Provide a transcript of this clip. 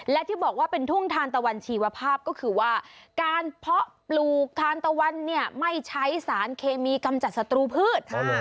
และที่บอกว่าเป็นทุ่งทานตะวันชีวภาพก็คือว่าการเพาะปลูกทานตะวันเนี่ยไม่ใช้สารเคมีกำจัดศัตรูพืช